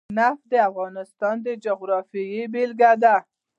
نفت د افغانستان د جغرافیې بېلګه ده.